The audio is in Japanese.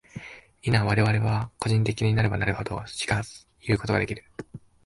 否、我々は個人的なればなるほど、しかいうことができる。